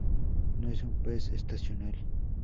No es un pez estacional.